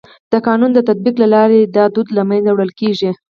د قانون د تطبیق له لارې دا دود له منځه وړل کيږي.